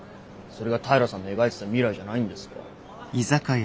それが平さんの描いてた未来じゃないんですか？